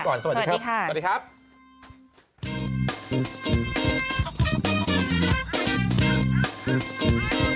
โปรดติดตามตอนต่อไป